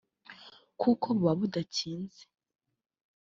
kuko buba budakinze